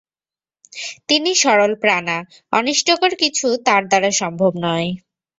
তিনি সরলপ্রাণা, অনিষ্টকর কিছু তাঁর দ্বারা সম্ভব নয়।